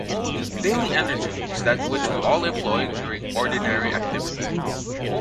Daily energy is that which we all employ during ordinary activity.